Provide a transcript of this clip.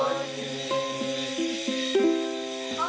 อร่อยไค่ไหมคะ